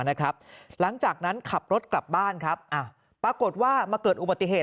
หลังจากนั้นขับรถกลับบ้านครับปรากฏว่ามาเกิดอุบัติเหตุ